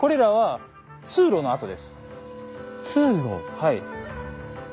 はい。